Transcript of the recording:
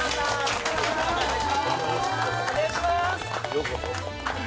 ようこそ。